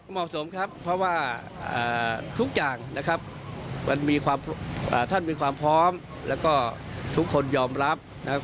เหมาะสมครับเพราะว่าทุกอย่างนะครับมันมีความท่านมีความพร้อมแล้วก็ทุกคนยอมรับนะครับ